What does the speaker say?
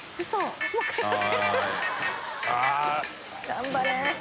頑張れ。）